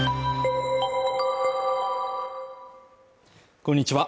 こんにちは